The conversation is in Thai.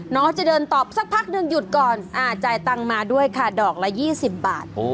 น้องจะเดินตอบสักพักหนึ่งหยุดก่อนจ่ายตังค์มาด้วยค่ะดอกละ๒๐บาท